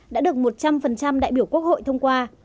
đã được một trăm linh đại biểu quốc hội thông qua